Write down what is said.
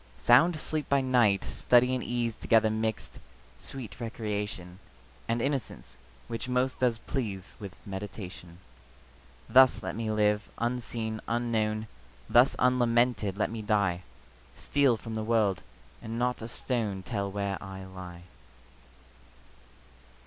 Sound sleep by night; study and ease Together mixed; sweet recreation, And innocence, which most does please With meditation. Thus let me live, unseen, unknown; Thus unlamented let me die; Steal from the world, and not a stone Tell where I lie.